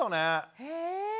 へえ。